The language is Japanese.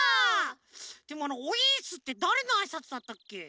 でもあの「おいっす」ってだれのあいさつだったっけ？